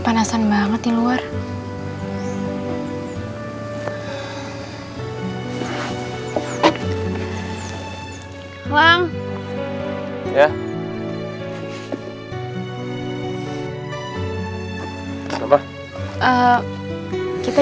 y toolbox di indonesia